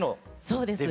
そうです。